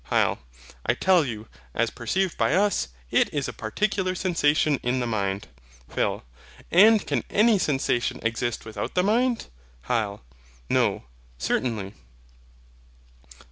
HYL. I tell you, as perceived by us, it is a particular sensation in the mind. PHIL. And can any sensation exist without the mind? HYL. No, certainly.